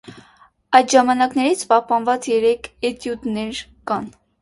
Այդ ժամանակներից պահպանված երեք էտյուդներ կան։